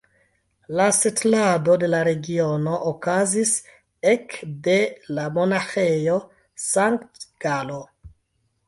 La setlado de la regiono okazis ek de la Monaĥejo Sankt-Galo.